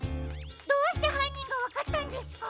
どうしてはんにんがわかったんですか？